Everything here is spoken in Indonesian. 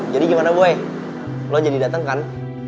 jadi gimana boy lo jadi dateng kan